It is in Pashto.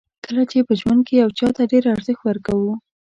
کله چې په ژوند کې یو چاته ډېر ارزښت ورکوو.